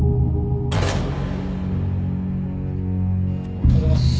おはようございます。